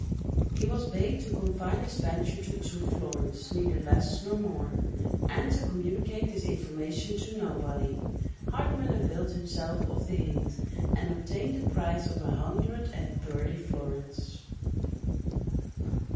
He was bade to confine his venture to two florins, neither less nor more; and to communicate this information to nobody. Hartmann availed himself of the hint, and obtained a prize of a hundred and thirty florins.